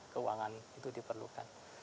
keuangan itu diperlukan